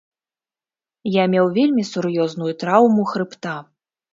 Я меў вельмі сур'ёзную траўму хрыбта.